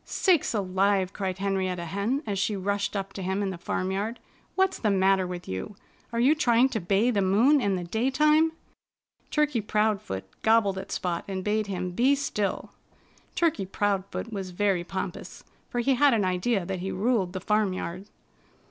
"Sakes alive!" cried Henrietta Hen as she rushed up to him in the farmyard. "What's the matter with you? Are you trying to bay the moon in the daytime?" Turkey Proudfoot gobbled at Spot and bade him be still. Turkey Proudfoot was very pompous, for he had an idea that he ruled the farmyard.